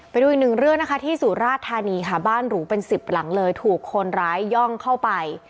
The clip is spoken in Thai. ไปดูอีกหนึ่งเรื่องนะคะที่สุราชธานีค่ะบ้านหรูเป็นสิบหลังเลยถูกคนร้ายย่องเข้าไป